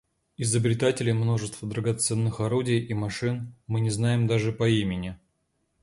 Изобретателей множества драгоценных орудий и машин мы не знаем даже по имени.